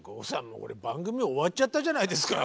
もうこれ番組終わっちゃったじゃないですか。